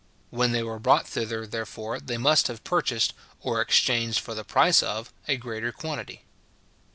When they were brought thither, therefore, they must have purchased, or exchanged for the price of, a greater quantity.